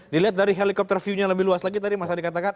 dilihat dari helikopter view nya lebih luas lagi tadi mas adi katakan